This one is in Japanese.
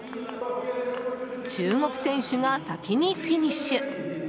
中国選手が先にフィニッシュ。